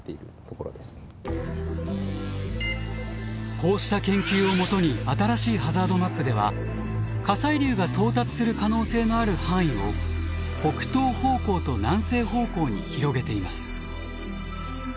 こうした研究を基に新しいハザードマップでは火砕流が到達する可能性のある範囲を北東方向と南西方向に広げています。